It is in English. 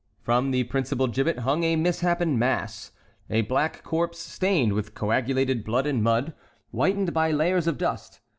From the principal gibbet hung a misshapen mass, a black corpse stained with coagulated blood and mud, whitened by layers of dust.